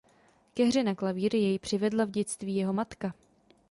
Ke hře na klavír jej přivedla v dětství jeho matka.